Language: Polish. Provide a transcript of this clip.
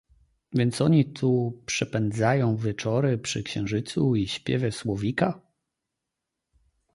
"„Więc oni tu przepędzają wieczory, przy księżycu i śpiewie słowika?..."